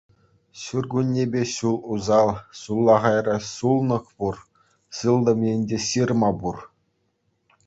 Ҫуркуннепе ҫул усал, сулахайра сулнӑк пур, сылтӑм енче ҫырма пур.